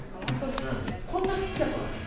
こんなちっちゃくはない。